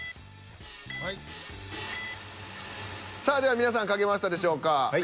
さあでは皆さん書けましたでしょうか。